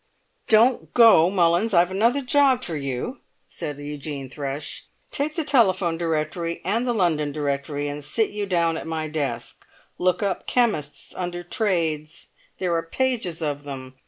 "Don't go, Mullins! I've another job for you," said Eugene Thrush. "Take the telephone directory and the London directory, and sit you down at my desk. Look up 'chemists' under 'trades'; there are pages of them.